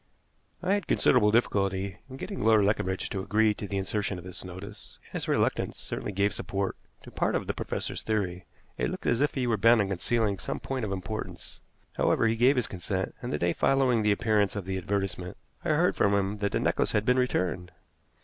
I had considerable difficulty in getting Lord Leconbridge to agree to the insertion of this notice, and his reluctance certainly gave support to part of the professor's theory. It looked as if he were bent on concealing some point of importance. However, he gave his consent, and the day following the appearance of the advertisement I heard from him that the necklace had been returned.